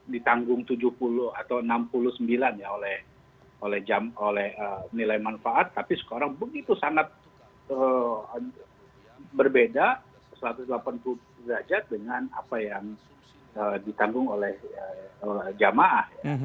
ditanggung tujuh puluh atau enam puluh sembilan ya oleh nilai manfaat tapi sekarang begitu sangat berbeda satu ratus delapan puluh derajat dengan apa yang ditanggung oleh jamaah